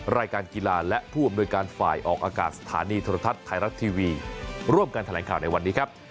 รายการกีฬาและผู้อำนวยการฝ่ายออกอากาศสถานีโทรทัศน์ไทยรัฐทีวีร่วมการแถลงข่าวในวันนี้ครับ